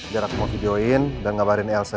jadi aku mau videoin dan ngabarin elsa